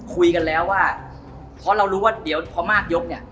คุยกันแล้วว่าเพราะเรารู้ว่าเดี๋ยวพอมากยกเนี่ย